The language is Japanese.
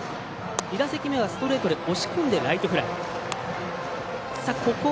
２打席目がストレートで押し込んでライトフライ。